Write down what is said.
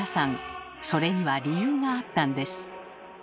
それには理由があったんです。